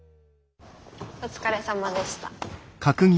お疲れさまでした。